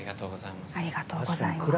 ありがとうございます。